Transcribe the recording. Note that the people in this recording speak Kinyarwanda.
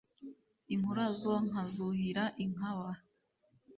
inkurazo nkazuhira inkaba